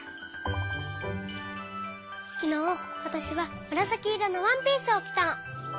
きのうわたしはむらさきいろのワンピースをきたの。